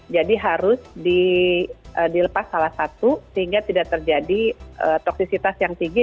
jadi harus dilepas salah satu sehingga tidak terjadi toksisitas yang tinggi